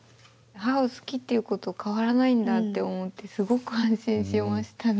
母を好きっていうこと変わらないんだって思ってすごく安心しましたね。